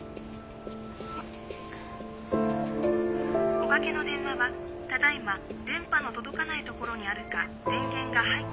「おかけの電話はただいま電波の届かないところにあるか電源が」。